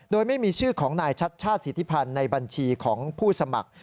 โดยไม่มีชื่อของนายชัดชาติสิทธิพันธ์ในบัญชีของผู้สมัคร